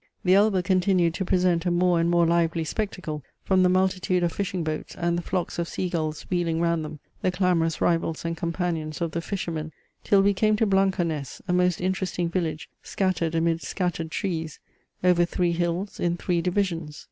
The Elbe continued to present a more and more lively spectacle from the multitude of fishing boats and the flocks of sea gulls wheeling round them, the clamorous rivals and companions of the fishermen; till we came to Blankaness, a most interesting village scattered amid scattered trees, over three hills in three divisions.